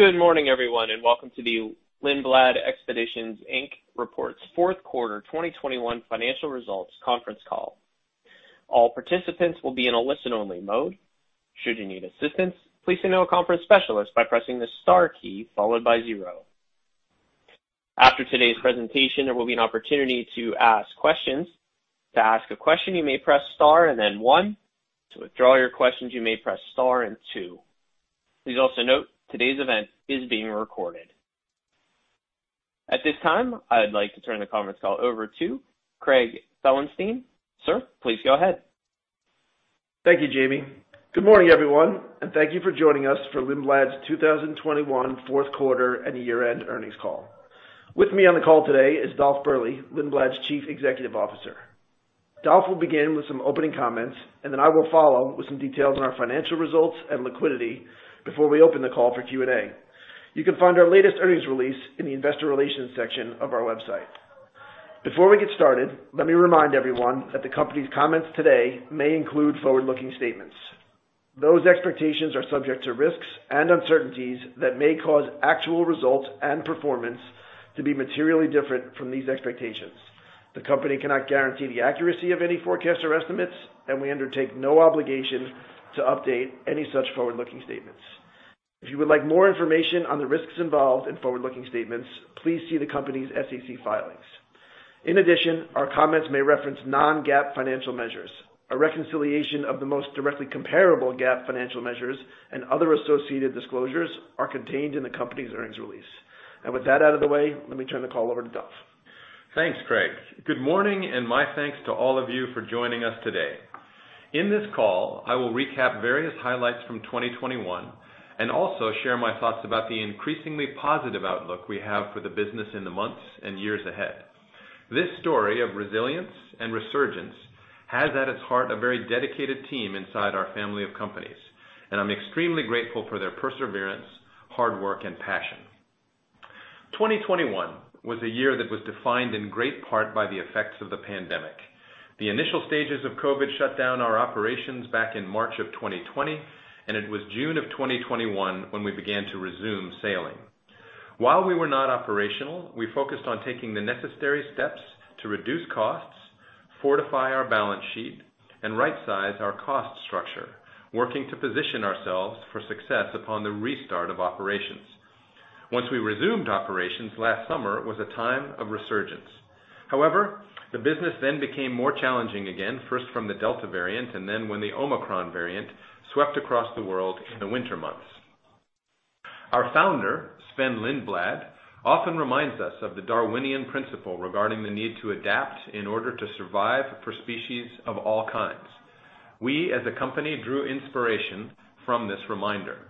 Good morning, everyone, and welcome to the Lindblad Expeditions Increports fourth quarter 2021 financial results conference call. All participants will be in a listen-only mode. Should you need assistance, please signal a conference specialist by pressing the star key followed by zero. After today's presentation, there will be an opportunity to ask questions. To ask a question, you may press star and then one. To withdraw your questions, you may press star and two. Please also note today's event is being recorded. At this time, I'd like to turn the conference call over to Craig Felenstein. Sir, please go ahead. Thank you, Jamie. Good morning, everyone, and thank you for joining us for Lindblad's 2021 fourth quarter and year-end earnings call. With me on the call today is Dolf Berle, Lindblad's Chief Executive Officer. Dolf will begin with some opening comments, and then I will follow with some details on our financial results and liquidity before we open the call for Q&A. You can find our latest earnings release in the investor relations section of our website. Before we get started, let me remind everyone that the company's comments today may include forward-looking statements. Those expectations are subject to risks and uncertainties that may cause actual results and performance to be materially different from these expectations. The company cannot guarantee the accuracy of any forecasts or estimates, and we undertake no obligation to update any such forward-looking statements. If you would like more information on the risks involved in forward-looking statements, please see the company's SEC filings. In addition, our comments may reference non-GAAP financial measures. A reconciliation of the most directly comparable GAAP financial measures and other associated disclosures are contained in the company's earnings release. With that out of the way, let me turn the call over to Dolf. Thanks, Craig. Good morning, and my thanks to all of you for joining us today. In this call, I will recap various highlights from 2021 and also share my thoughts about the increasingly positive outlook we have for the business in the months and years ahead. This story of resilience and resurgence has at its heart a very dedicated team inside our family of companies, and I'm extremely grateful for their perseverance, hard work, and passion. Twenty twenty-one was a year that was defined in great part by the effects of the pandemic. The initial stages of COVID shut down our operations back in March of 2020, and it was June of 2021 when we began to resume sailing. While we were not operational, we focused on taking the necessary steps to reduce costs, fortify our balance sheet, and right-size our cost structure, working to position ourselves for success upon the restart of operations. Once we resumed operations last summer, it was a time of resurgence. However, the business then became more challenging again, first from the Delta variant and then when the Omicron variant swept across the world in the winter months. Our founder, Sven-Olof Lindblad, often reminds us of the Darwinian principle regarding the need to adapt in order to survive for species of all kinds. We, as a company, drew inspiration from this reminder.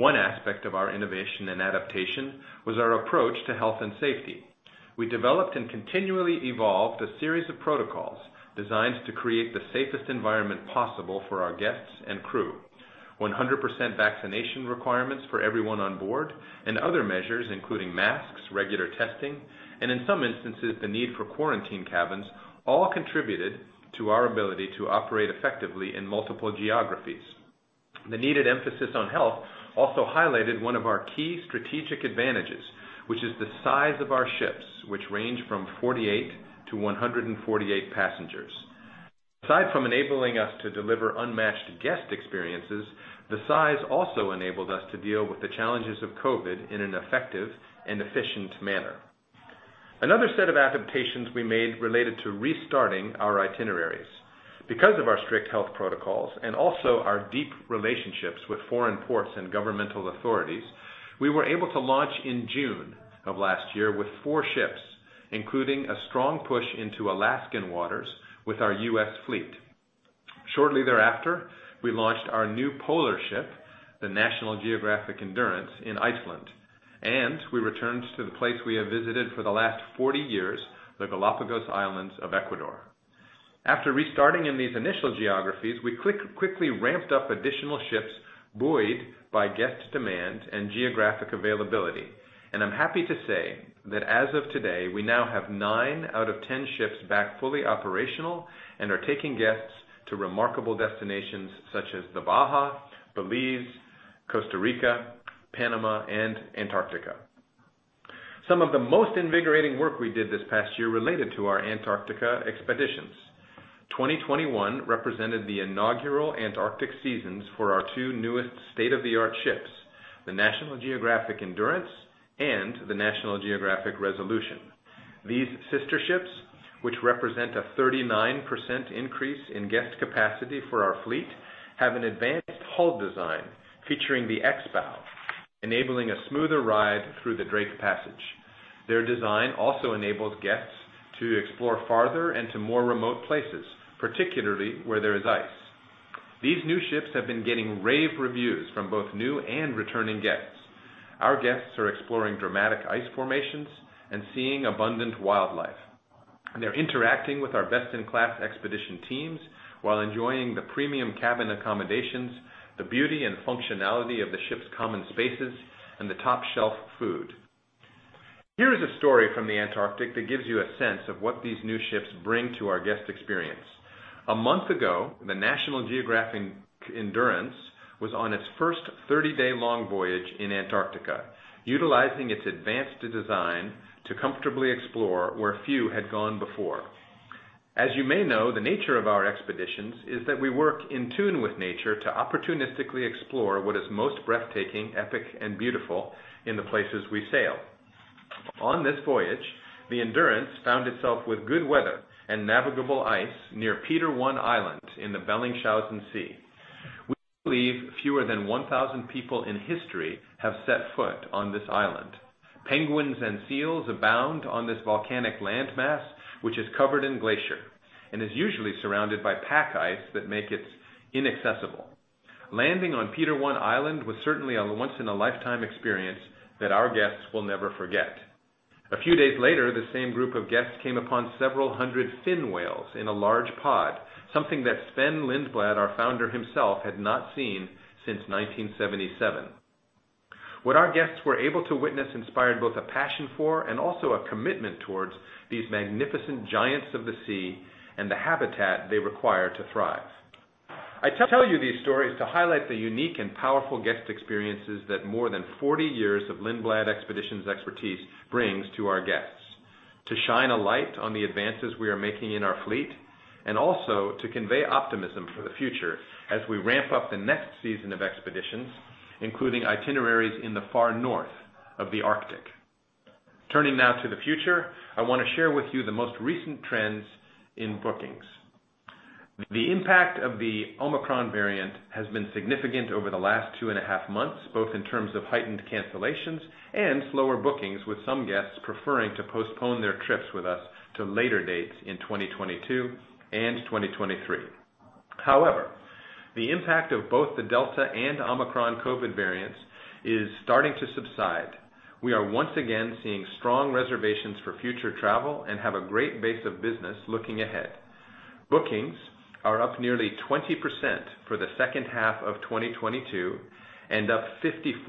One aspect of our innovation and adaptation was our approach to health and safety. We developed and continually evolved a series of protocols designed to create the safest environment possible for our guests and crew: 100% vaccination requirements for everyone on board and other measures, including masks, regular testing, and in some instances, the need for quarantine cabins, all contributed to our ability to operate effectively in multiple geographies. The needed emphasis on health also highlighted one of our key strategic advantages, which is the size of our ships, which range from 48-148 passengers. Aside from enabling us to deliver unmatched guest experiences, the size also enabled us to deal with the challenges of COVID in an effective and efficient manner. Another set of adaptations we made related to restarting our itineraries. Because of our strict health protocols and also our deep relationships with foreign ports and governmental authorities, we were able to launch in June of last year with four ships, including a strong push into Alaskan waters with our U.S. fleet. Shortly thereafter, we launched our new polar ship, the National Geographic Endurance, in Iceland, and we returned to the place we have visited for the last 40 years, the Galapagos Islands of Ecuador. After restarting in these initial geographies, we quickly ramped up additional ships buoyed by guest demand and geographic availability. I'm happy to say that as of today, we now have nine out of 10 ships back fully operational and are taking guests to remarkable destinations such as the Baja, Belize, Costa Rica, Panama, and Antarctica. Some of the most invigorating work we did this past year related to our Antarctica expeditions. Twenty twenty-one represented the inaugural Antarctic seasons for our two newest state-of-the-art ships, the National Geographic Endurance and the National Geographic Resolution. These sister ships, which represent a 39% increase in guest capacity for our fleet, have an advanced hull design featuring the X-BOW, enabling a smoother ride through the Drake Passage. Their design also enables guests to explore farther and to more remote places, particularly where there is ice. These new ships have been getting rave reviews from both new and returning guests. Our guests are exploring dramatic ice formations and seeing abundant wildlife. They're interacting with our best-in-class expedition teams while enjoying the premium cabin accommodations, the beauty and functionality of the ship's common spaces, and the top-shelf food. Here is a story from the Antarctic that gives you a sense of what these new ships bring to our guest experience. A month ago, the National Geographic Endurance was on its first 30-day-long voyage in Antarctica, utilizing its advanced design to comfortably explore where few had gone before. As you may know, the nature of our expeditions is that we work in tune with nature to opportunistically explore what is most breathtaking, epic, and beautiful in the places we sail. On this voyage, the Endurance found itself with good weather and navigable ice near Peter I Island in the Bellingshausen Sea. We believe fewer than 1,000 people in history have set foot on this island. Penguins and seals abound on this volcanic land mass, which is covered in glacier and is usually surrounded by pack ice that make it inaccessible. Landing on Peter I Island was certainly a once-in-a-lifetime experience that our guests will never forget. A few days later, the same group of guests came upon several hundred fin whales in a large pod, something that Sven Lindblad, our Founder himself, had not seen since 1977. What our guests were able to witness inspired both a passion for and also a commitment towards these magnificent giants of the sea and the habitat they require to thrive. I tell you these stories to highlight the unique and powerful guest experiences that more than 40 years of Lindblad Expeditions expertise brings to our guests, to shine a light on the advances we are making in our fleet, and also to convey optimism for the future as we ramp up the next season of expeditions, including itineraries in the far north of the Arctic. Turning now to the future, I wanna share with you the most recent trends in bookings. The impact of the Omicron variant has been significant over the last two and a half months, both in terms of heightened cancellations and slower bookings, with some guests preferring to postpone their trips with us to later dates in 2022 and 2023. However, the impact of both the Delta and Omicron COVID variants is starting to subside. We are once again seeing strong reservations for future travel and have a great base of business looking ahead. Bookings are up nearly 20% for the second half of 2022 and up 54%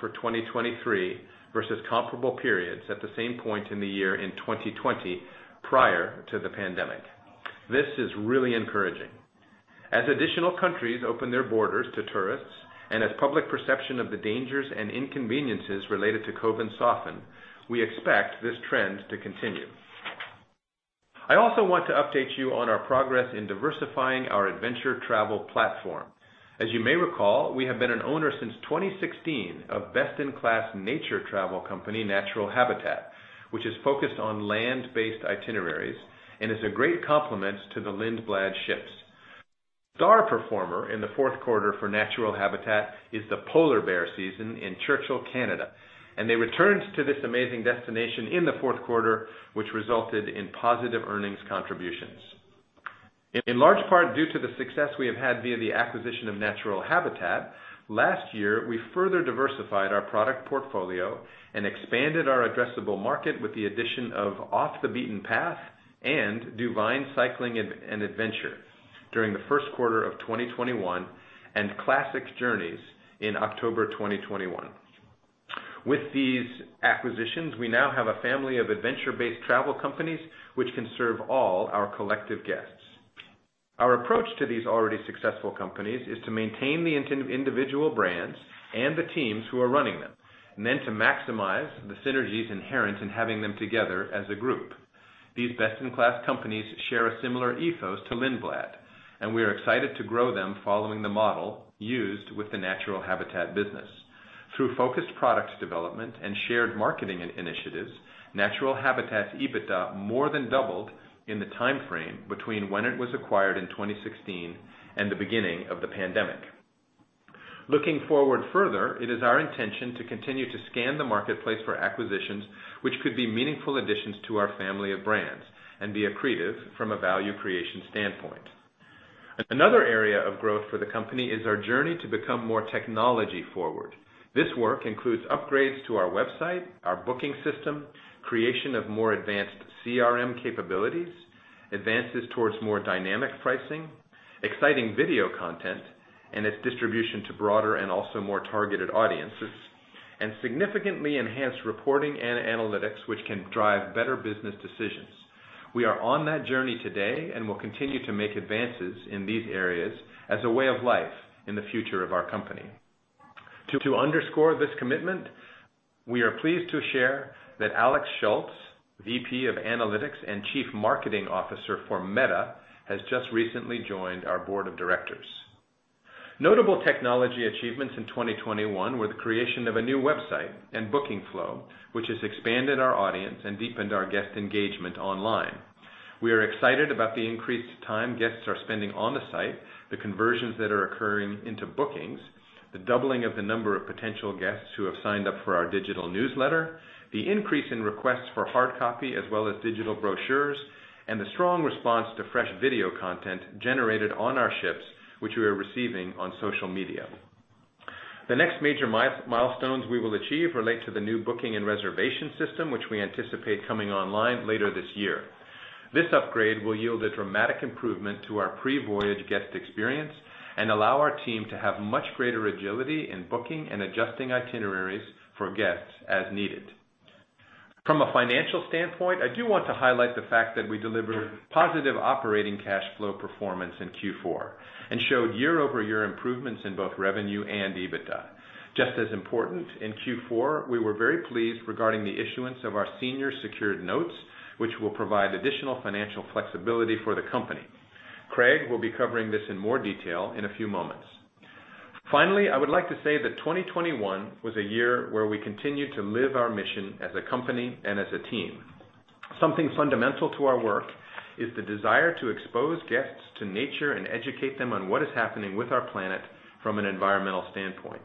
for 2023 versus comparable periods at the same point in the year in 2020, prior to the pandemic. This is really encouraging. As additional countries open their borders to tourists and as public perception of the dangers and inconveniences related to COVID soften, we expect this trend to continue. I also want to update you on our progress in diversifying our adventure travel platform. As you may recall, we have been an owner since 2016 of best-in-class nature travel company, Natural Habitat, which is focused on land-based itineraries and is a great complement to the Lindblad ships. Star performer in the fourth quarter for Natural Habitat is the polar bear season in Churchill, Canada, and they returned to this amazing destination in the fourth quarter, which resulted in positive earnings contributions. In large part due to the success we have had via the acquisition of Natural Habitat, last year, we further diversified our product portfolio and expanded our addressable market with the addition of Off the Beaten Path and DuVine Cycling + Adventure during the first quarter of 2021, and Classic Journeys in October 2021. With these acquisitions, we now have a family of adventure-based travel companies which can serve all our collective guests. Our approach to these already successful companies is to maintain the individual brands and the teams who are running them and then to maximize the synergies inherent in having them together as a group. These best-in-class companies share a similar ethos to Lindblad, and we are excited to grow them following the model used with the Natural Habitat business. Through focused products development and shared marketing initiatives, Natural Habitat's EBITDA more than doubled in the time frame between when it was acquired in 2016 and the beginning of the pandemic. Looking forward further, it is our intention to continue to scan the marketplace for acquisitions which could be meaningful additions to our family of brands and be accretive from a value creation standpoint. Another area of growth for the company is our journey to become more technology-forward. This work includes upgrades to our website, our booking system, creation of more advanced CRM capabilities, advances towards more dynamic pricing, exciting video content, and its distribution to broader and also more targeted audiences, and significantly enhanced reporting and analytics which can drive better business decisions. We are on that journey today and will continue to make advances in these areas as a way of life in the future of our company. To underscore this commitment, we are pleased to share that Alex Schultz, VP of Analytics and Chief Marketing Officer for Meta, has just recently joined our Board of Directors. Notable technology achievements in 2021 were the creation of a new website and booking flow, which has expanded our audience and deepened our guest engagement online. We are excited about the increased time guests are spending on the site, the conversions that are occurring into bookings, the doubling of the number of potential guests who have signed up for our digital newsletter, the increase in requests for hard copy as well as digital brochures, and the strong response to fresh video content generated on our ships, which we are receiving on social media. The next major milestones we will achieve relate to the new booking and reservation system which we anticipate coming online later this year. This upgrade will yield a dramatic improvement to our pre-voyage guest experience and allow our team to have much greater agility in booking and adjusting itineraries for guests as needed. From a financial standpoint, I do want to highlight the fact that we delivered positive operating cash flow performance in Q4 and showed year-over-year improvements in both revenue and EBITDA. Just as important, in Q4, we were very pleased regarding the issuance of our senior secured notes, which will provide additional financial flexibility for the company. Craig will be covering this in more detail in a few moments. Finally, I would like to say that 2021 was a year where we continued to live our mission as a company and as a team. Something fundamental to our work is the desire to expose guests to nature and educate them on what is happening with our planet from an environmental standpoint.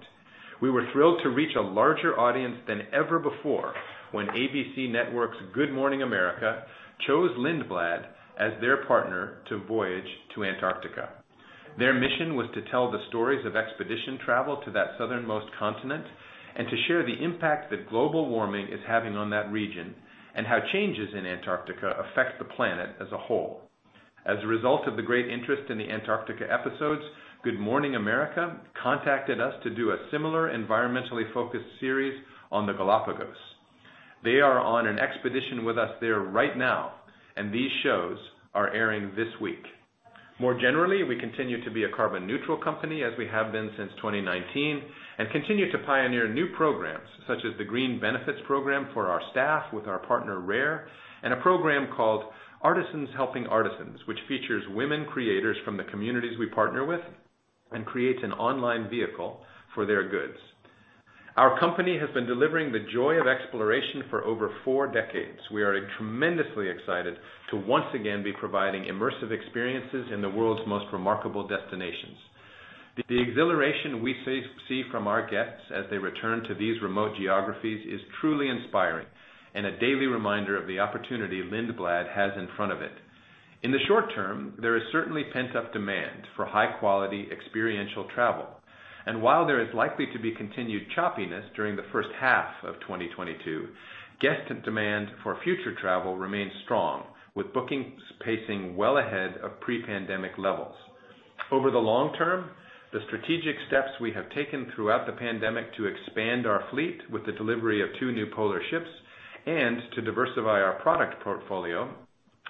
We were thrilled to reach a larger audience than ever before when ABC network's Good Morning America chose Lindblad as their partner to voyage to Antarctica. Their mission was to tell the stories of expedition travel to that southernmost continent and to share the impact that global warming is having on that region and how changes in Antarctica affect the planet as a whole. As a result of the great interest in the Antarctica episodes, Good Morning America contacted us to do a similar environmentally-focused series on the Galapagos. They are on an expedition with us there right now, and these shows are airing this week. More generally, we continue to be a carbon neutral company as we have been since 2019, and continue to pioneer new programs such as the Green Benefits program for our staff with our partner, Rare, and a program called Artisans Helping Artisans, which features women creators from the communities we partner with and creates an online vehicle for their goods. Our company has been delivering the joy of exploration for over four decades. We are tremendously excited to once again be providing immersive experiences in the world's most remarkable destinations. The exhilaration we see from our guests as they return to these remote geographies is truly inspiring and a daily reminder of the opportunity Lindblad has in front of it. In the short term, there is certainly pent-up demand for high-quality experiential travel. While there is likely to be continued choppiness during the first half of 2022, guest demand for future travel remains strong, with bookings pacing well ahead of pre-pandemic levels. Over the long term, the strategic steps we have taken throughout the pandemic to expand our fleet with the delivery of two new polar ships and to diversify our product portfolio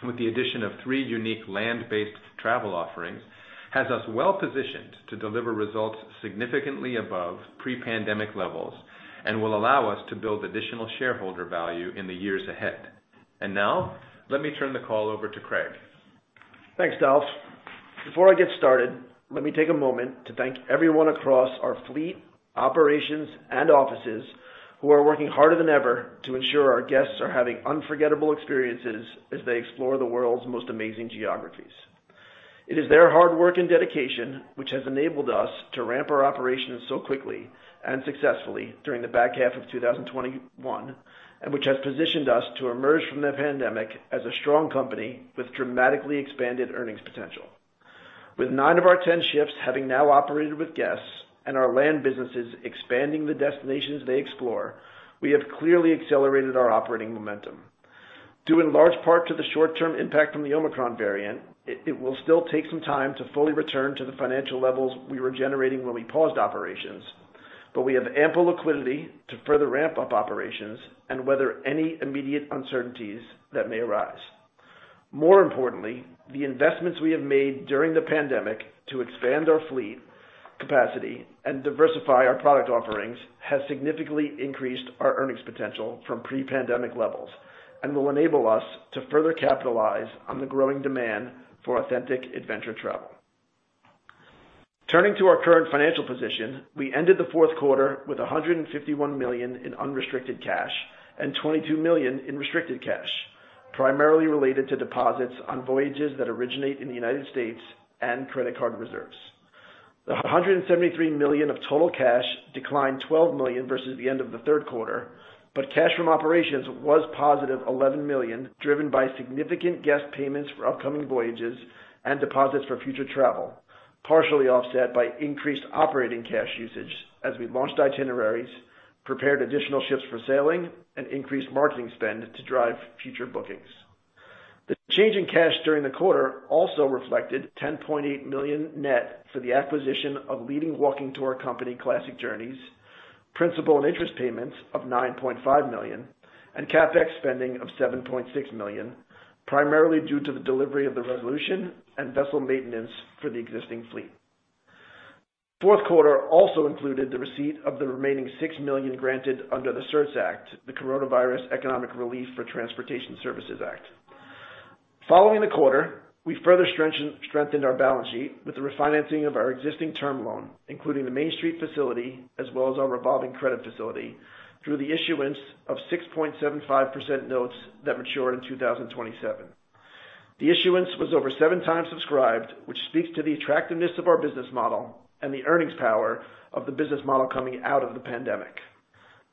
with the addition of three unique land-based travel offerings has us well-positioned to deliver results significantly above pre-pandemic levels and will allow us to build additional shareholder value in the years ahead. Now, let me turn the call over to Craig. Thanks, Dolf. Before I get started, let me take a moment to thank everyone across our fleet, operations, and offices who are working harder than ever to ensure our guests are having unforgettable experiences as they explore the world's most amazing geographies. It is their hard work and dedication which has enabled us to ramp our operations so quickly and successfully during the back half of 2021, and which has positioned us to emerge from the pandemic as a strong company with dramatically expanded earnings potential. With nine of our 10 ships having now operated with guests and our land businesses expanding the destinations they explore, we have clearly accelerated our operating momentum. Due in large part to the short-term impact from the Omicron variant, it will still take some time to fully return to the financial levels we were generating when we paused operations, but we have ample liquidity to further ramp up operations and weather any immediate uncertainties that may arise. More importantly, the investments we have made during the pandemic to expand our fleet capacity and diversify our product offerings has significantly increased our earnings potential from pre-pandemic levels and will enable us to further capitalize on the growing demand for authentic adventure travel. Turning to our current financial position, we ended the fourth quarter with $151 million in unrestricted cash and $22 million in restricted cash, primarily related to deposits on voyages that originate in the United States and credit card reserves. The $173 million of total cash declined $12 million versus the end of the third quarter, but cash from operations was positive $11 million, driven by significant guest payments for upcoming voyages and deposits for future travel, partially offset by increased operating cash usage as we launched itineraries, prepared additional ships for sailing, and increased marketing spend to drive future bookings. The change in cash during the quarter also reflected $10.8 million net for the acquisition of leading walking tour company, Classic Journeys, principal and interest payments of $9.5 million, and CapEx spending of $7.6 million, primarily due to the delivery of the Resolution and vessel maintenance for the existing fleet. Fourth quarter also included the receipt of the remaining $6 million granted under the CERTS Act, the Coronavirus Economic Relief for Transportation Services Act. Following the quarter, we further strengthened our balance sheet with the refinancing of our existing term loan, including the Main Street facility as well as our revolving credit facility through the issuance of 6.75% notes that mature in 2027. The issuance was over 7x subscribed, which speaks to the attractiveness of our business model and the earnings power of the business model coming out of the pandemic.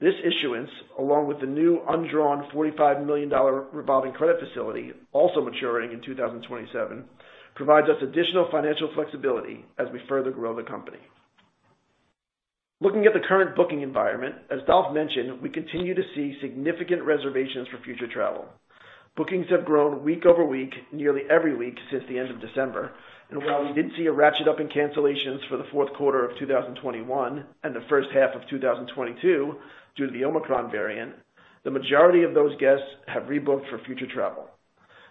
This issuance, along with the new undrawn $45 million revolving credit facility, also maturing in 2027, provides us additional financial flexibility as we further grow the company. Looking at the current booking environment, as Dolf mentioned, we continue to see significant reservations for future travel. Bookings have grown week-over-week, nearly every week since the end of December. While we did see a ratchet up in cancellations for the fourth quarter of 2021 and the first half of 2022 due to the Omicron variant, the majority of those guests have rebooked for future travel.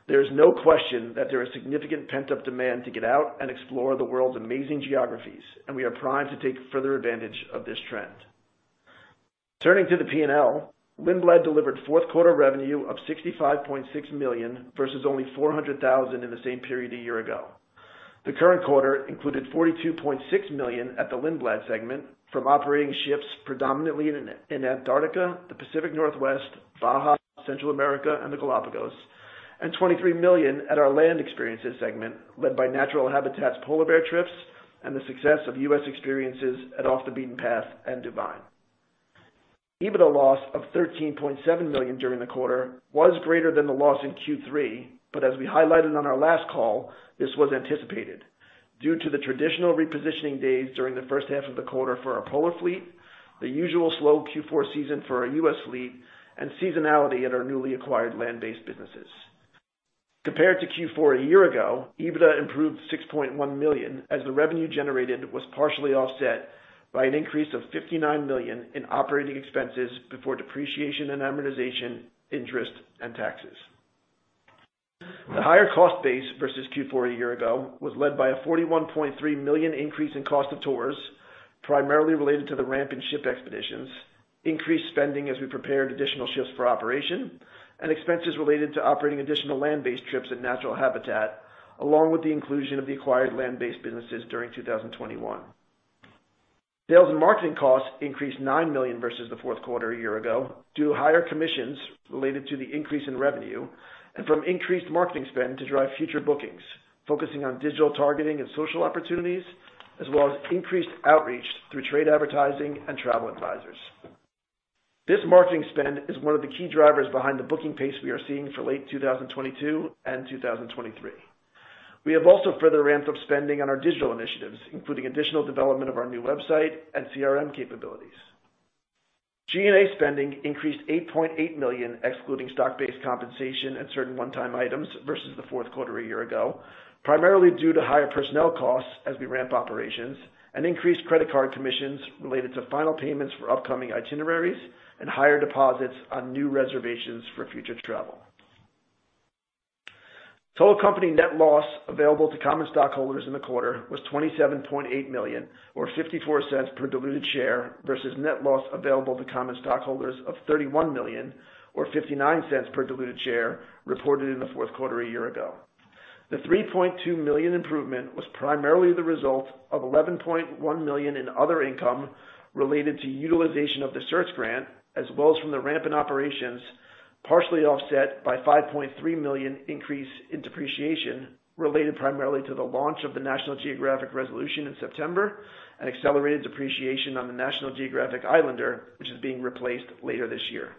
There is no question that there is significant pent-up demand to get out and explore the world's amazing geographies, and we are primed to take further advantage of this trend. Turning to the P&L, Lindblad delivered fourth quarter revenue of $65.6 million, versus only $400,000 in the same period a year ago. The current quarter included $42.6 million at the Lindblad segment from operating ships predominantly in Antarctica, the Pacific Northwest, Baja, Central America, and the Galapagos, and $23 million at our Land Experiences segment, led by Natural Habitat's polar bear trips and the success of U.S. experiences at Off the Beaten Path and DuVine. EBITDA loss of $13.7 million during the quarter was greater than the loss in Q3, but as we highlighted on our last call, this was anticipated due to the traditional repositioning days during the first half of the quarter for our polar fleet, the usual slow Q4 season for our U.S. fleet, and seasonality at our newly acquired land-based businesses. Compared to Q4 a year ago, EBITDA improved $6.1 million, as the revenue generated was partially offset by an increase of $59 million in OpEx before depreciation and amortization, interest, and taxes. The higher cost base versus Q4 a year ago was led by a $41.3 million increase in cost of tours, primarily related to the ramp in ship expeditions, increased spending as we prepared additional shifts for operation, and expenses related to operating additional land-based trips at Natural Habitat, along with the inclusion of the acquired land-based businesses during 2021. Sales and marketing costs increased $9 million versus the fourth quarter a year ago due to higher commissions related to the increase in revenue and from increased marketing spend to drive future bookings, focusing on digital targeting and social opportunities, as well as increased outreach through trade advertising and travel advisors. This marketing spend is one of the key drivers behind the booking pace we are seeing for late 2022 and 2023. We have also further ramped up spending on our digital initiatives, including additional development of our new website and CRM capabilities. G&A spending increased $8.8 million, excluding stock-based compensation and certain one-time items, versus the fourth quarter a year ago, primarily due to higher personnel costs as we ramp operations and increased credit card commissions related to final payments for upcoming itineraries and higher deposits on new reservations for future travel. Total company net loss available to common stockholders in the quarter was $27.8 million, or $0.54 per diluted share, versus net loss available to common stockholders of $31 million or $0.59 per diluted share reported in the fourth quarter a year ago. The $3.2 million improvement was primarily the result of $11.1 million in other income related to utilization of the CERTS grant, as well as from the ramp-in operations, partially offset by $5.3 million increase in depreciation, related primarily to the launch of the National Geographic Resolution in September and accelerated depreciation on the National Geographic Islander, which is being replaced later this year.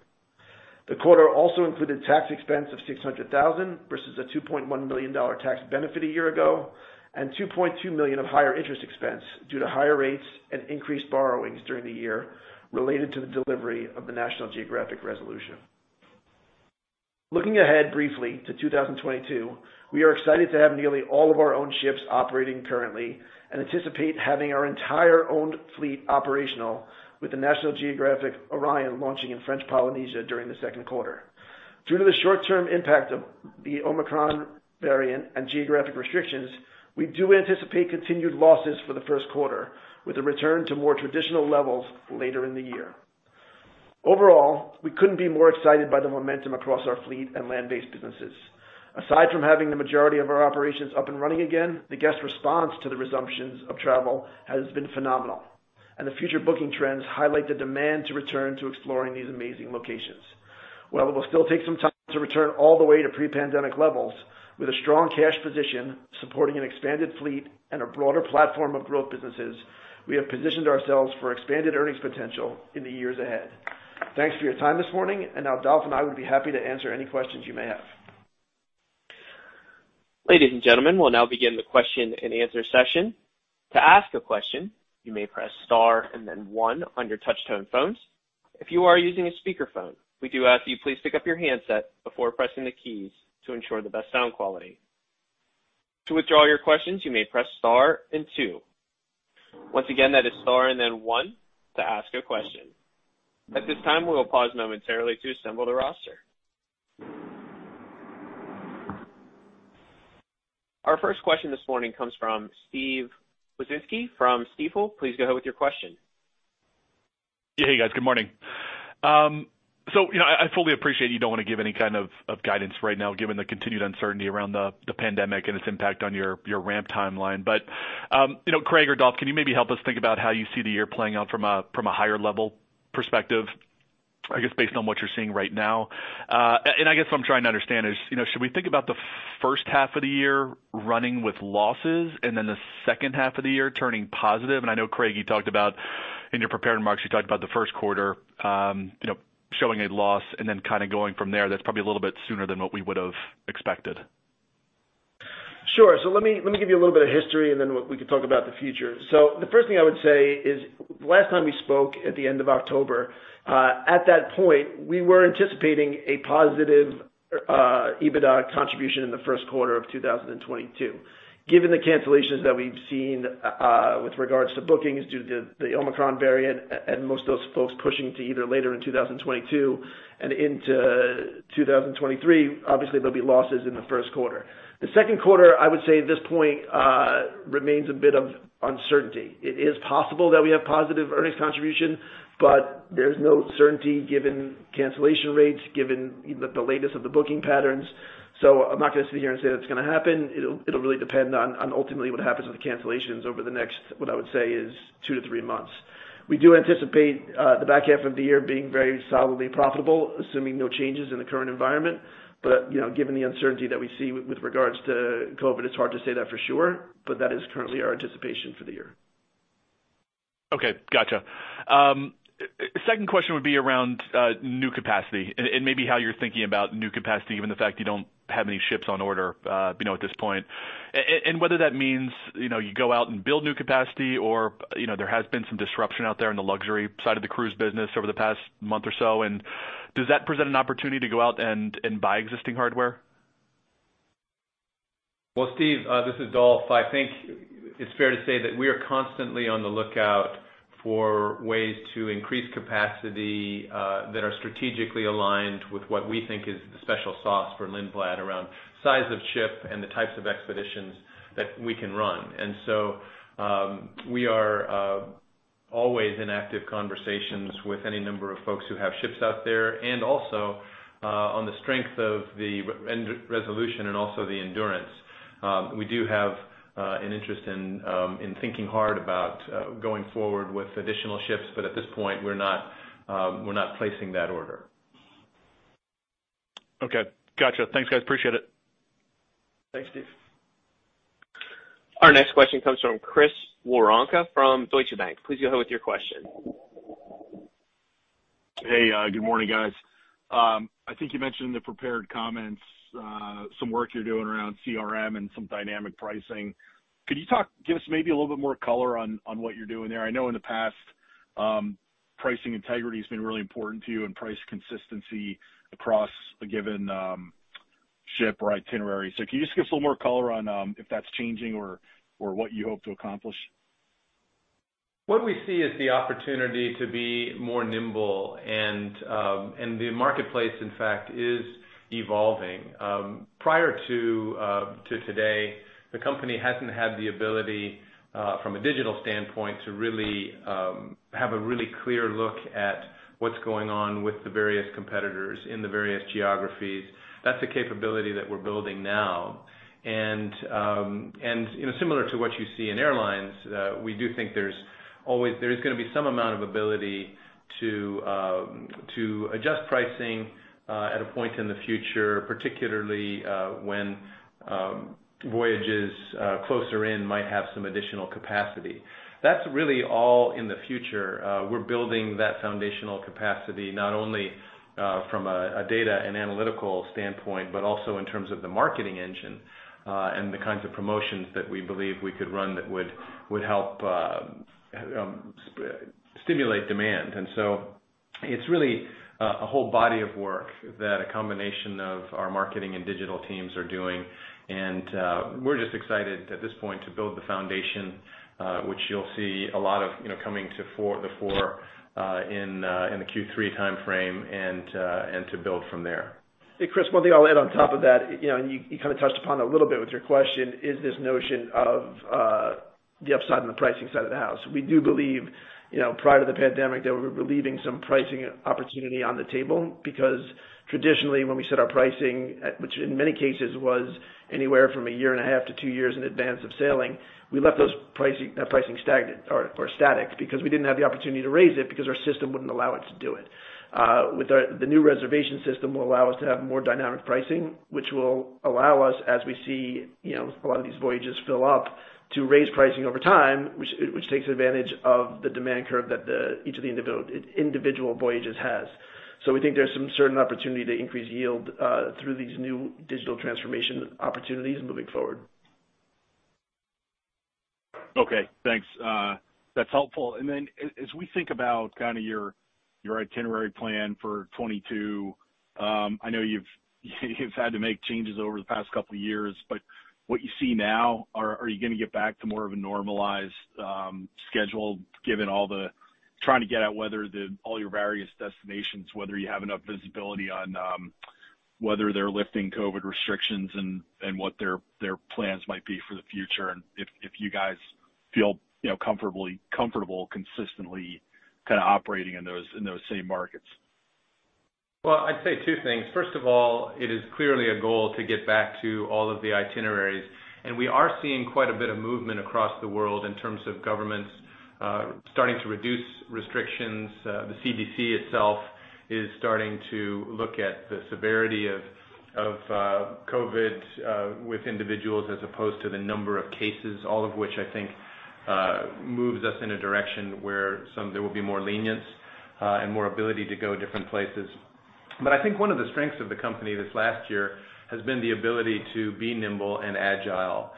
The quarter also included tax expense of $600,000 versus a $2.1 million tax benefit a year ago, and $2.2 million of higher interest expense due to higher rates and increased borrowings during the year related to the delivery of the National Geographic Resolution. Looking ahead briefly to 2022, we are excited to have nearly all of our own ships operating currently and anticipate having our entire owned fleet operational with the National Geographic Orion launching in French Polynesia during the second quarter. Due to the short-term impact of the Omicron variant and geographic restrictions, we do anticipate continued losses for the first quarter with a return to more traditional levels later in the year. Overall, we couldn't be more excited by the momentum across our fleet and land-based businesses. Aside from having the majority of our operations up and running again, the guest response to the resumptions of travel has been phenomenal, and the future booking trends highlight the demand to return to exploring these amazing locations. While it will still take some time to return all the way to pre-pandemic levels, with a strong cash position supporting an expanded fleet and a broader platform of growth businesses, we have positioned ourselves for expanded earnings potential in the years ahead. Thanks for your time this morning. Now Dolf and I would be happy to answer any questions you may have. Ladies and gentlemen, we'll now begin the question-and-answer session. To ask a question, you may press star and then one on your touch-tone phones. If you are using a speakerphone, we do ask you please pick up your handset before pressing the keys to ensure the best sound quality. To withdraw your questions, you may press star and two. Once again, that is star and then one to ask a question. At this time, we will pause momentarily to assemble the roster. Our first question this morning comes from Steve Wieczynski from Stifel. Please go ahead with your question. Hey, guys. Good morning. You know, I fully appreciate you don't wanna give any kind of guidance right now, given the continued uncertainty around the pandemic and its impact on your ramp timeline. You know, Craig or Dolf, can you maybe help us think about how you see the year playing out from a higher-level perspective, I guess, based on what you're seeing right now? I guess what I'm trying to understand is, you know, should we think about the first half of the year running with losses and then the second half of the year turning positive? I know, Craig, you talked about in your prepared remarks the first quarter showing a loss and then kinda going from there. That's probably a little bit sooner than what we would have expected. Sure. Let me give you a little bit of history and then we can talk about the future. The first thing I would say is last time we spoke at the end of October, at that point, we were anticipating a positive EBITDA contribution in the first quarter of 2022. Given the cancellations that we've seen, with regards to bookings due to the Omicron variant and most of those folks pushing to either later in 2022 and into 2023, obviously there'll be losses in the first quarter. The second quarter, I would say at this point, remains a bit of uncertainty. It is possible that we have positive earnings contribution, but there's no certainty given cancellation rates, given the latest on the booking patterns. I'm not gonna sit here and say that's gonna happen. It'll really depend on ultimately what happens with the cancellations over the next, what I would say is two to three months. We do anticipate the back half of the year being very solidly profitable, assuming no changes in the current environment, but you know, given the uncertainty that we see with regards to COVID, it's hard to say that for sure, but that is currently our anticipation for the year. Okay. Gotcha. Second question would be around new capacity and maybe how you're thinking about new capacity, given the fact you don't have any ships on order, you know, at this point. Whether that means, you know, you go out and build new capacity or, you know, there has been some disruption out there in the luxury side of the cruise business over the past month or so. Does that present an opportunity to go out and buy existing hardware? Well, Steve, this is Dolf. I think it's fair to say that we are constantly on the lookout for ways to increase capacity that are strategically aligned with what we think is the special sauce for Lindblad around size of ship and the types of expeditions that we can run. We are always in active conversations with any number of folks who have ships out there. On the strength of the resolution and also the endurance, we do have an interest in thinking hard about going forward with additional ships. At this point, we're not placing that order. Okay. Gotcha. Thanks, guys. Appreciate it. Thanks, Steve. Our next question comes from Chris Woronka from Deutsche Bank. Please go ahead with your question. Hey, good morning, guys. I think you mentioned in the prepared comments some work you're doing around CRM and some dynamic pricing. Could you talk, give us maybe a little bit more color on what you're doing there? I know in the past pricing integrity has been really important to you and price consistency across a given ship or itinerary. Can you just give us a little more color on if that's changing or what you hope to accomplish? What we see is the opportunity to be more nimble and the marketplace, in fact, is evolving. Prior to today, the company hasn't had the ability from a digital standpoint to really have a really clear look at what's going on with the various competitors in the various geographies. That's a capability that we're building now. You know, similar to what you see in airlines, we do think there's always gonna be some amount of ability to adjust pricing at a point in the future, particularly when voyages closer in might have some additional capacity. That's really all in the future. We're building that foundational capacity, not only from a data and analytical standpoint, but also in terms of the marketing engine and the kinds of promotions that we believe we could run that would help stimulate demand. It's really a whole body of work that a combination of our marketing and digital teams are doing. We're just excited at this point to build the foundation, which you'll see a lot of, you know, coming to the forefront in the Q3 timeframe and to build from there. Hey, Chris, one thing I'll add on top of that, you know, and you kind of touched upon a little bit with your question, is this notion of the upside and the pricing side of the house. We do believe, you know, prior to the pandemic that we were leaving some pricing opportunity on the table because traditionally when we set our pricing at, which in many cases was anywhere from a year and a half to two years in advance of sailing, we left that pricing stagnant or static because we didn't have the opportunity to raise it because our system wouldn't allow us to do it. The new reservation system will allow us to have more dynamic pricing, which will allow us, as we see, you know, a lot of these voyages fill up to raise pricing over time, which takes advantage of the demand curve that each of the individual voyages has. We think there's some certain opportunity to increase yield through these new digital transformation opportunities moving forward. Okay, thanks. That's helpful. As we think about kinda your itinerary plan for 2022, I know you've had to make changes over the past couple of years, but what you see now, are you gonna get back to more of a normalized schedule given all the trying to get at whether all your various destinations, whether you have enough visibility on whether they're lifting COVID restrictions and what their plans might be for the future, and if you guys feel you know comfortable consistently kinda operating in those same markets. Well, I'd say two things. First of all, it is clearly a goal to get back to all of the itineraries. We are seeing quite a bit of movement across the world in terms of governments starting to reduce restrictions. The CDC itself is starting to look at the severity of COVID with individuals as opposed to the number of cases, all of which I think moves us in a direction where there will be more lenience and more ability to go different places. I think one of the strengths of the company this last year has been the ability to be nimble and agile.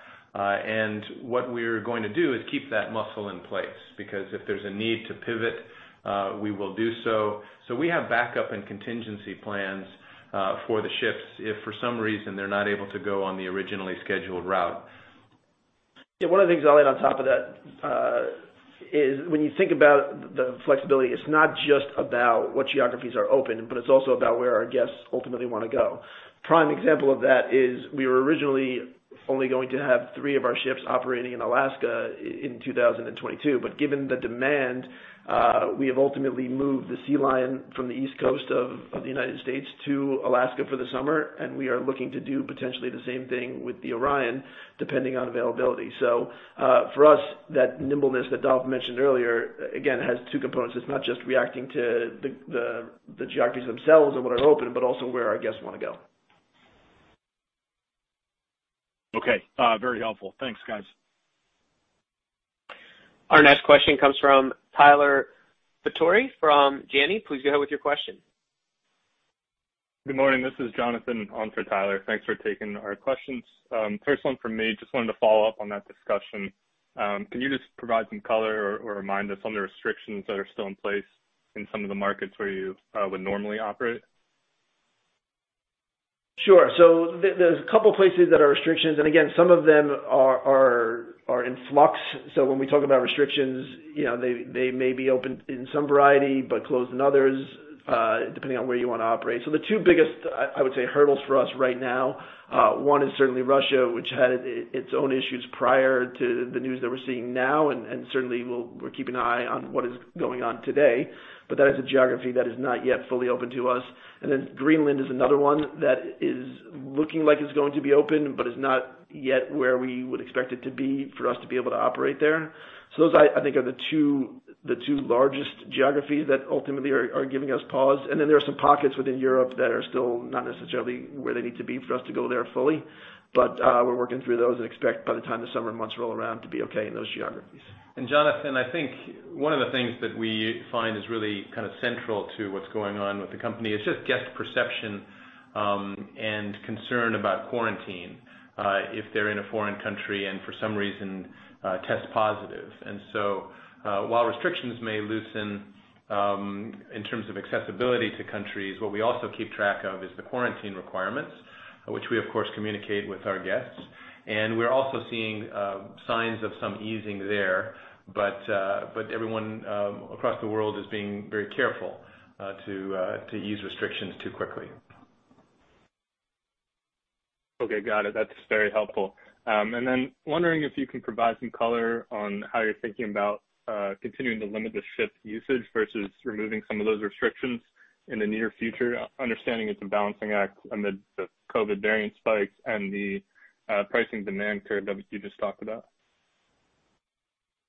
What we're going to do is keep that muscle in place, because if there's a need to pivot, we will do so. We have backup and contingency plans for the ships if for some reason they're not able to go on the originally scheduled route. Yeah, one of the things I'll add on top of that, is when you think about the flexibility, it's not just about what geographies are open, but it's also about where our guests ultimately wanna go. Prime example of that is we were originally only going to have three of our ships operating in Alaska in 2022, but given the demand, we have ultimately moved the Sea Lion from the East Coast of the United States to Alaska for the summer, and we are looking to do potentially the same thing with the Orion, depending on availability. For us, that nimbleness that Dolf mentioned earlier, again, has two components. It's not just reacting to the geographies themselves and what are open, but also where our guests wanna go. Okay. Very helpful. Thanks, guys. Our next question comes from Tyler Batory from Janney. Please go ahead with your question. Good morning. This is Jonathan on for Tyler. Thanks for taking our questions. First one from me. Just wanted to follow up on that discussion. Can you just provide some color or remind us on the restrictions that are still in place in some of the markets where you would normally operate? Sure. There's a couple places that are restrictions, and again, some of them are in flux. When we talk about restrictions, you know, they may be open in some variety but closed in others, depending on where you wanna operate. The two biggest, I would say, hurdles for us right now, one is certainly Russia, which had its own issues prior to the news that we're seeing now, and certainly we're keeping an eye on what is going on today. That is a geography that is not yet fully open to us. Greenland is another one that is looking like it's going to be open, but is not yet where we would expect it to be for us to be able to operate there. Those, I think, are the two largest geographies that ultimately are giving us pause. Then there are some pockets within Europe that are still not necessarily where they need to be for us to go there fully. We're working through those and expect by the time the summer months roll around to be okay in those geographies. Jonathan, I think one of the things that we find is really kind of central to what's going on with the company is just guest perception, and concern about quarantine, if they're in a foreign country and for some reason, test positive. While restrictions may loosen, in terms of accessibility to countries, what we also keep track of is the quarantine requirements, which we of course communicate with our guests. We're also seeing signs of some easing there. But everyone across the world is being very careful to ease restrictions too quickly. Okay. Got it. That's very helpful. Wondering if you can provide some color on how you're thinking about continuing to limit the ship usage versus removing some of those restrictions in the near future. Understanding it's a balancing act amid the COVID variant spikes and the pricing demand curve that you just talked about.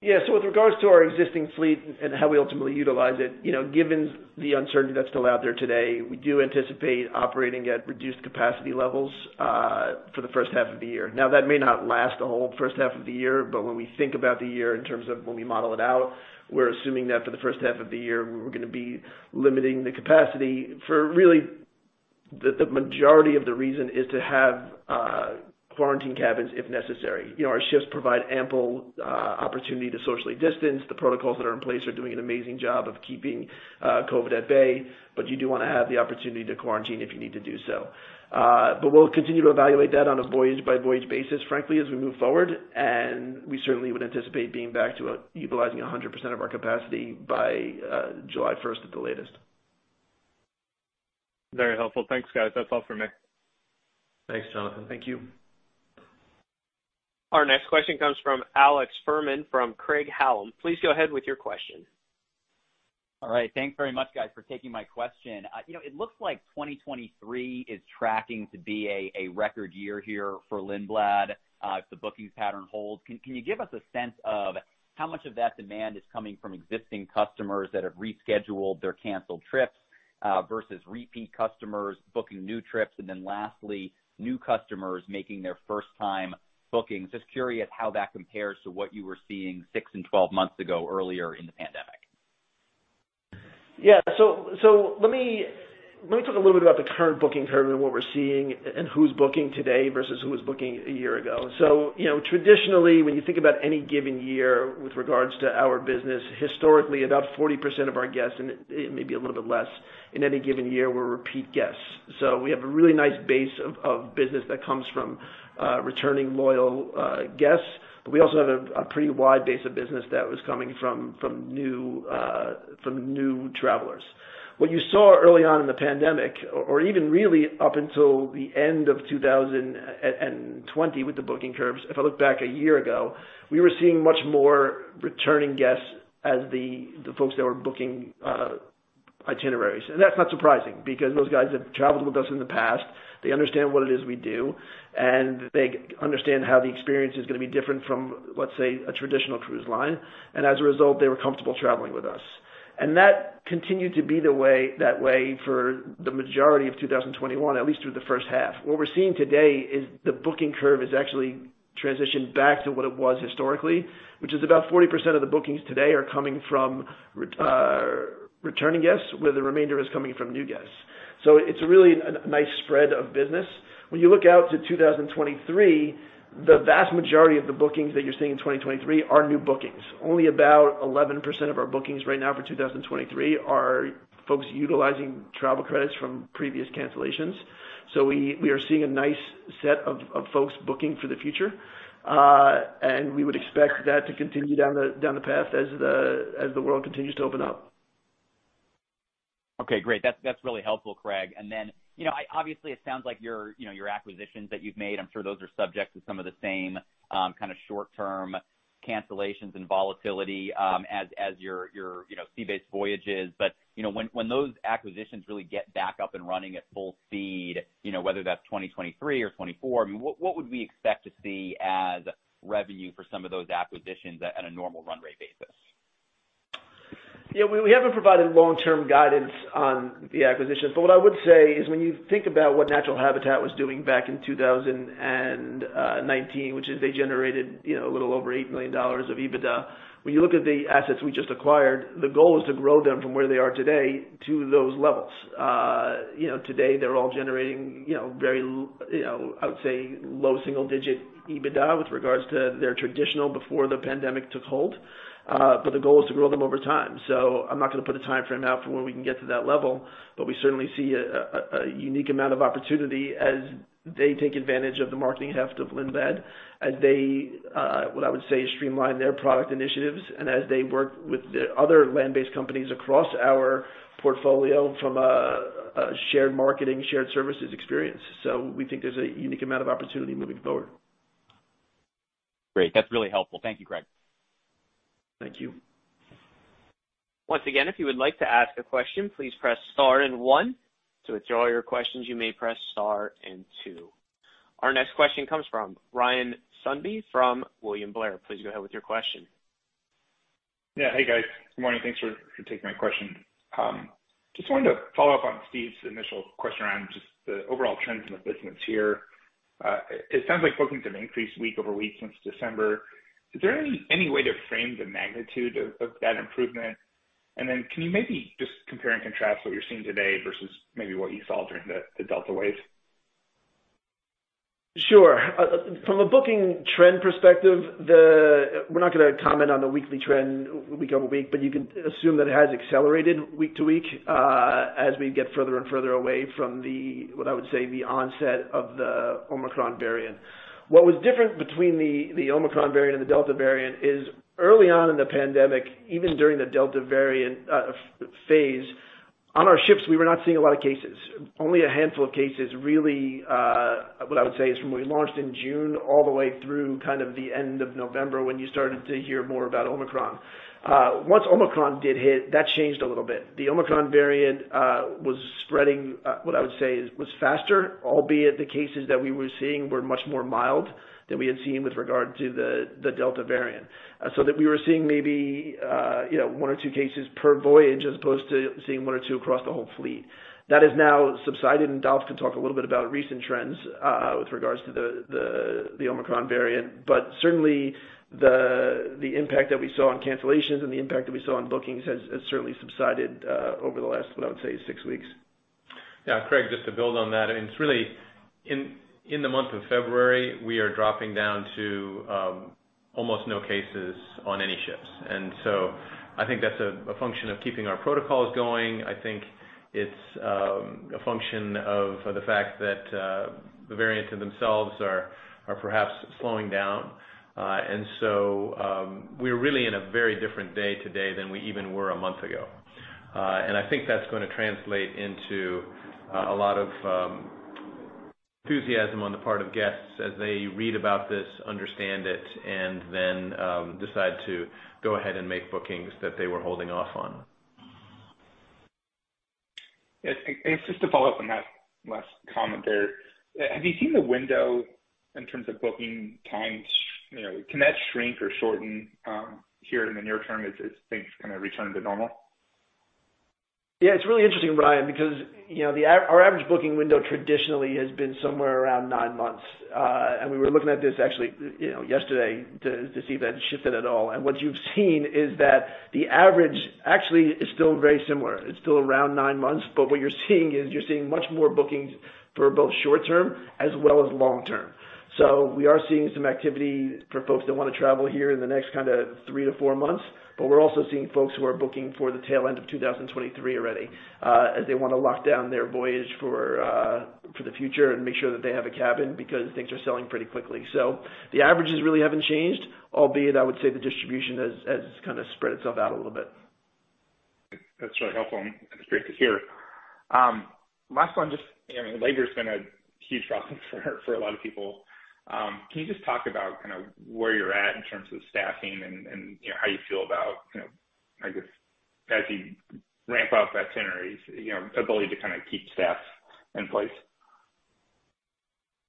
Yeah. With regards to our existing fleet and how we ultimately utilize it, you know, given the uncertainty that's still out there today, we do anticipate operating at reduced capacity levels for the first half of the year. Now, that may not last the whole first half of the year, but when we think about the year in terms of when we model it out, we're assuming that for the first half of the year, we're gonna be limiting the capacity for really the majority of the reason is to have quarantine cabins if necessary. You know, our ships provide ample opportunity to socially distance. The protocols that are in place are doing an amazing job of keeping COVID at bay. You do wanna have the opportunity to quarantine if you need to do so. We'll continue to evaluate that on a voyage-by-voyage basis, frankly, as we move forward, and we certainly would anticipate being back to utilizing 100% of our capacity by July first at the latest. Very helpful. Thanks, guys. That's all for me. Thanks, Jonathan. Thank you. Our next question comes from Alex Fuhrman from Craig-Hallum. Please go ahead with your question. All right. Thanks very much, guys, for taking my question. You know, it looks like 2023 is tracking to be a record year here for Lindblad, if the bookings pattern holds. Can you give us a sense of how much of that demand is coming from existing customers that have rescheduled their canceled trips, versus repeat customers booking new trips, and then lastly, new customers making their first time bookings? Just curious how that compares to what you were seeing six and 12 months ago earlier in the pandemic. Yeah. Let me talk a little bit about the current booking curve and what we're seeing and who's booking today versus who was booking a year ago. You know, traditionally, when you think about any given year with regards to our business, historically, about 40% of our guests, and it may be a little bit less in any given year, were repeat guests. We have a really nice base of business that comes from returning loyal guests, but we also have a pretty wide base of business that was coming from new travelers. What you saw early on in the pandemic or even really up until the end of 2020 with the booking curves, if I look back a year ago, we were seeing much more returning guests as the folks that were booking itineraries. That's not surprising because those guys have traveled with us in the past. They understand what it is we do, and they understand how the experience is gonna be different from, let's say, a traditional cruise line. As a result, they were comfortable traveling with us. That continued to be that way for the majority of 2021, at least through the first half. What we're seeing today is the booking curve has actually transitioned back to what it was historically, which is about 40% of the bookings today are coming from returning guests, where the remainder is coming from new guests. It's really a nice spread of business. When you look out to 2023, the vast majority of the bookings that you're seeing in 2023 are new bookings. Only about 11% of our bookings right now for 2023 are folks utilizing travel credits from previous cancellations. We are seeing a nice set of folks booking for the future. We would expect that to continue down the path as the world continues to open up. Okay, great. That's really helpful, Craig. Then, you know, I obviously it sounds like your, you know, your acquisitions that you've made, I'm sure those are subject to some of the same kind of short-term cancellations and volatility as your sea-based voyages. But, you know, when those acquisitions really get back up and running at full speed, you know, whether that's 2023 or 2024, I mean, what would we expect to see as revenue for some of those acquisitions at a normal run rate basis? Yeah, we haven't provided long-term guidance on the acquisitions. What I would say is when you think about what Natural Habitat was doing back in 2019, which is they generated, you know, a little over $8 million of EBITDA. When you look at the assets we just acquired, the goal is to grow them from where they are today to those levels. You know, today they're all generating, you know, very low single-digit EBITDA with regards to their traditional before the pandemic took hold. The goal is to grow them over time. I'm not gonna put a timeframe out for when we can get to that level, but we certainly see a unique amount of opportunity as they take advantage of the marketing heft of Lindblad as they what I would say streamline their product initiatives and as they work with the other land-based companies across our portfolio from a shared marketing shared services experience. We think there's a unique amount of opportunity moving forward. Great. That's really helpful. Thank you, Craig. Thank you. Once again, if you would like to ask a question, please press star and one. To withdraw your questions, you may press star and two. Our next question comes from Ryan Sundby from William Blair. Please go ahead with your question. Yeah. Hey, guys. Good morning. Thanks for taking my question. Just wanted to follow up on Steve's initial question around just the overall trends in the business here. It sounds like bookings have increased week-over-week since December. Is there any way to frame the magnitude of that improvement? Then can you maybe just compare and contrast what you're seeing today versus maybe what you saw during the Delta wave? Sure. From a booking trend perspective, we're not gonna comment on the weekly trend week-over-week, but you can assume that it has accelerated week to week, as we get further and further away from the, what I would say, the onset of the Omicron variant. What was different between the Omicron variant and the Delta variant is early on in the pandemic, even during the Delta variant phase, on our ships, we were not seeing a lot of cases. Only a handful of cases, really, what I would say is from when we launched in June all the way through kind of the end of November when you started to hear more about Omicron. Once Omicron did hit, that changed a little bit. The Omicron variant was spreading what I would say is was faster, albeit the cases that we were seeing were much more mild than we had seen with regard to the Delta variant. That we were seeing maybe, you know, one or two cases per voyage, as opposed to seeing one or two across the whole fleet. That has now subsided, and Dolf could talk a little bit about recent trends with regards to the Omicron variant. Certainly the impact that we saw on cancellations and the impact that we saw on bookings has certainly subsided over the last what I would say six weeks. Yeah. Craig, just to build on that, I mean, it's really in the month of February, we are dropping down to almost no cases on any ships. I think that's a function of keeping our protocols going. I think it's a function of the fact that the variants themselves are perhaps slowing down. We're really in a very different day today than we even were a month ago. I think that's gonna translate into a lot of enthusiasm on the part of guests as they read about this, understand it, and then decide to go ahead and make bookings that they were holding off on. Yeah. And just to follow up on that last comment there, have you seen the window in terms of booking times? You know, can that shrink or shorten here in the near term as things kind of return to normal? Yeah, it's really interesting, Ryan, because, you know, our average booking window traditionally has been somewhere around nine months. We were looking at this actually, you know, yesterday to see if that shifted at all. What you've seen is that the average actually is still very similar. It's still around nine months, but what you're seeing is much more bookings for both short term as well as long term. We are seeing some activity for folks that wanna travel here in the next kinda three to four months, but we're also seeing folks who are booking for the tail end of 2023 already, as they wanna lock down their voyage for the future and make sure that they have a cabin because things are selling pretty quickly. The averages really haven't changed, albeit I would say the distribution has kinda spread itself out a little bit. That's really helpful, and it's great to hear. Last one. Just, you know, labor's been a huge problem for a lot of people. Can you just talk about kinda where you're at in terms of staffing and, you know, how you feel about, you know, I guess, as you ramp up that itinerary, you know, ability to kinda keep staff in place?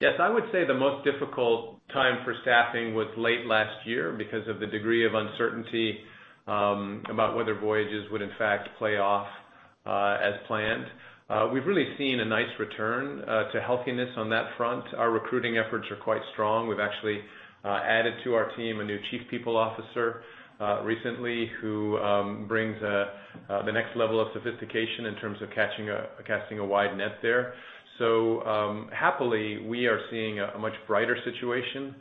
Yes. I would say the most difficult time for staffing was late last year because of the degree of uncertainty about whether voyages would in fact take off as planned. We've really seen a nice return to healthiness on that front. Our recruiting efforts are quite strong. We've actually added to our team a new Chief People Officer recently, who brings the next level of sophistication in terms of casting a wide net there. Happily, we are seeing a much brighter situation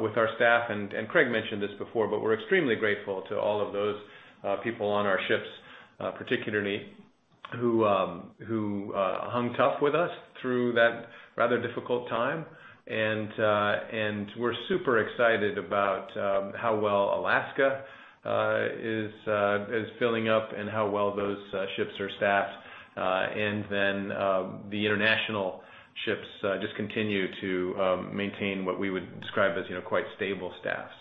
with our staff. Craig mentioned this before, but we're extremely grateful to all of those people on our ships, particularly who hung tough with us through that rather difficult time. We're super excited about how well Alaska is filling up and how well those ships are staffed. The international ships just continue to maintain what we would describe as, you know, quite stable staffs.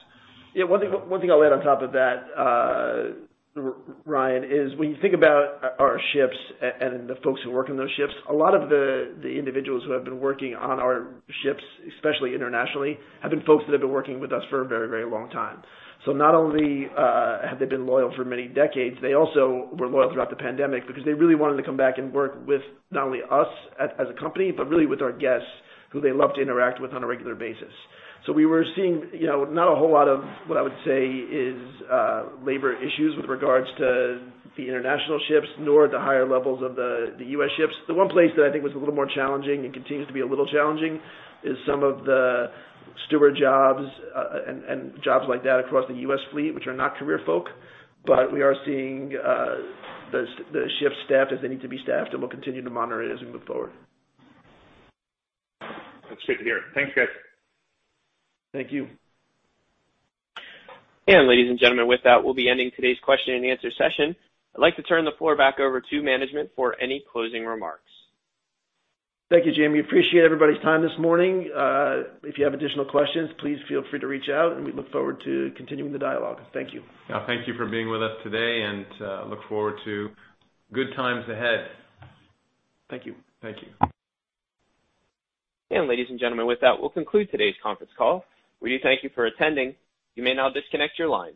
Yeah, one thing I'll add on top of that, Ryan, is when you think about our ships and the folks who work on those ships, a lot of the individuals who have been working on our ships, especially internationally, have been folks that have been working with us for a very, very long time. So not only have they been loyal for many decades, they also were loyal throughout the pandemic because they really wanted to come back and work with not only us as a company, but really with our guests who they love to interact with on a regular basis. So we were seeing, you know, not a whole lot of what I would say is labor issues with regards to the international ships, nor the higher levels of the U.S. ships. The one place that I think was a little more challenging and continues to be a little challenging is some of the steward jobs and jobs like that across the U.S. fleet, which are not career folk. We are seeing the ships staffed as they need to be staffed, and we'll continue to monitor it as we move forward. That's good to hear. Thanks, guys. Thank you. Ladies and gentlemen, with that, we'll be ending today's question-and-answer session. I'd like to turn the floor back over to management for any closing remarks. Thank you, Jamie. Appreciate everybody's time this morning. If you have additional questions, please feel free to reach out, and we look forward to continuing the dialogue. Thank you. Yeah, thank you for being with us today, and look forward to good times ahead. Thank you. Thank you. Ladies and gentlemen, with that, we'll conclude today's conference call. We thank you for attending. You may now disconnect your lines.